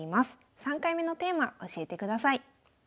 ３回目のテーマ教えてください。